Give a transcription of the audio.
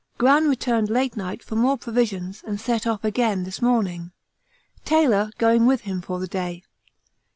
Gran returned last night for more provisions and set off again this morning, Taylor going with him for the day.